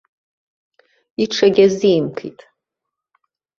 Иҽагьазимкит.